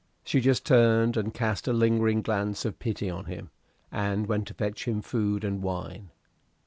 She just turned and cast a lingering glance of pity on him, and went to fetch him food and wine.